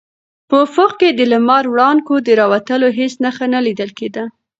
په افق کې د لمر وړانګو د راوتلو هېڅ نښه نه لیدل کېده.